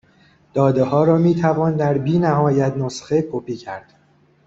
دادهها را میتوان در بی نهایت نسخه کپی کرد